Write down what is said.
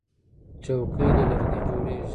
چوکۍ له لرګي جوړیږي.